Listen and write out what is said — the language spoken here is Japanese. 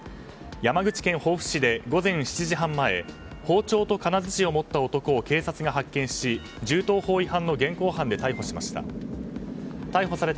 山口県防府市で午前７時半前包丁と金づちを持った男を警察が発見し、銃刀法違反の現行犯で逮捕しました。